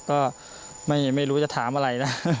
ก็ไม่รู้จะถามอะไรนะ